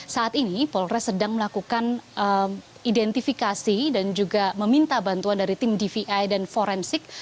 saat ini polres sedang melakukan identifikasi dan juga meminta bantuan dari tim dvi dan forensik